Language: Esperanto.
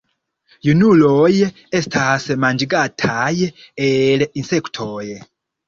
Junuloj estas manĝigataj el insektoj.